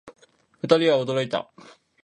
二人は驚いた